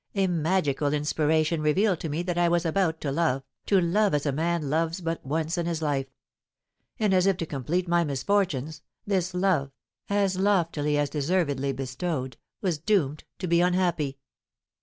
A magical inspiration revealed to me that I was about to love, to love as a man loves but once in his life; and, as if to complete my misfortunes, this love, as loftily as deservedly bestowed, was doomed to be unhappy.